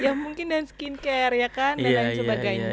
ya mungkin dan skincare ya kan dan lain sebagainya